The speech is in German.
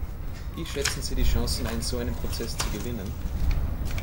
Wie schätzen Sie die Chancen ein, so einen Prozess zu gewinnen?